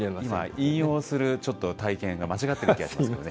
引用するちょっと体験が、間違っている気がしますけどね。